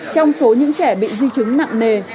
trong số những trẻ bị di chứng nặng nề